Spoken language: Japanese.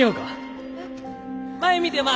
前見て前。